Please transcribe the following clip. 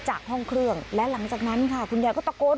จากห้องเครื่องและหลังจากนั้นค่ะคุณยายก็ตะโกน